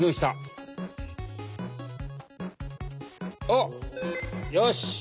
おっよし！